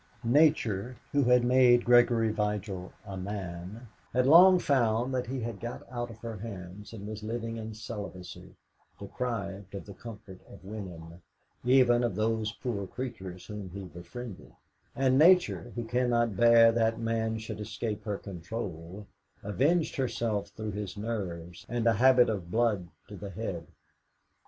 Nature, who had made Gregory Vigil a man, had long found that he had got out of her hands, and was living in celibacy, deprived of the comfort of woman, even of those poor creatures whom he befriended; and Nature, who cannot bear that man should escape her control, avenged herself through his nerves and a habit of blood to the head.